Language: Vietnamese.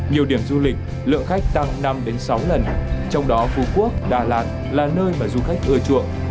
nhiều điểm du lịch lượng khách tăng năm sáu lần trong đó phú quốc đà lạt là nơi mà du khách ưa chuộng